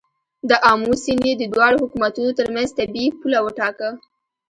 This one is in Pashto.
د آمو سیند یې د دواړو حکومتونو تر منځ طبیعي پوله وټاکه.